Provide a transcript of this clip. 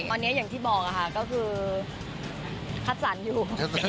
ตอนนี้อย่างที่บอกค่ะก็คือคัดสรรอยู่